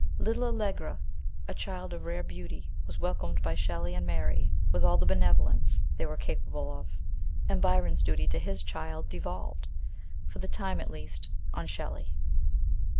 Little Allegra, a child of rare beauty, was welcomed by Shelley and Mary with all the benevolence they were capable of, and Byron's duty to his child devolved, for the time at least, on Shelley.